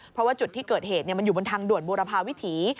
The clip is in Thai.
เพราะว่าจุดที่เกิดเหตุมันอยู่บนทางด่วนบูรพาวิถี